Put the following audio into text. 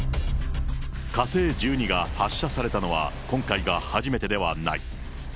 火星１２が発射されたのは、今回が初めてではない。